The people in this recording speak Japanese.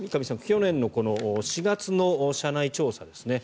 去年の４月の社内調査ですね。